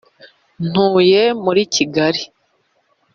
ntuye muri kigali.